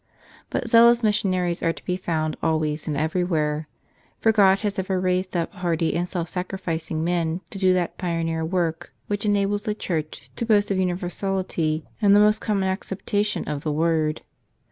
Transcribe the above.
But zealous missionaries are to be found always and everywhere ; for God has ever raised up hardy and self sacrificing men to do that pioneer work which enables the Church to boast of universality in the most common acceptation of the word.